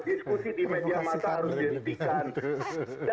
diskusi di media masa harus dihentikan